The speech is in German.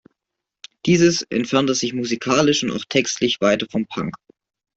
Dieses entfernte sich musikalisch und auch textlich weiter vom Punk.